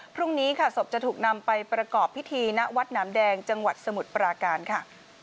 พรุ่งนี้ค่ะศพจะถูกนำไปประกอบพิธีณวัดหนามแดงจังหวัดสมุทรปราการค่ะ